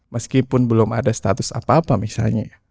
meskipun belum ada status apa apa misalnya